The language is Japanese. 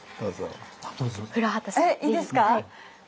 えいいですか？